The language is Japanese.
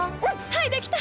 はいできた！